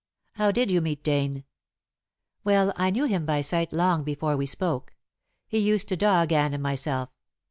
"How did you meet Dane?" "Well, I knew him by sight long before we spoke. He used to dog Anne and myself.